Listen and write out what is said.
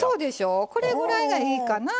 これぐらいがいいかな。